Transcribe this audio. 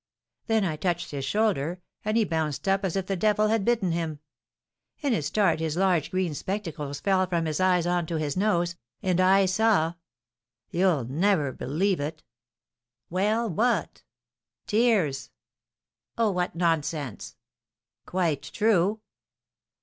Then I touched his shoulder, and he bounced up as if the devil had bitten him. In his start his large green spectacles fell from his eyes on to his nose, and I saw you'll never believe it " "Well, what?" "Tears." "Oh, what nonsense!" "Quite true."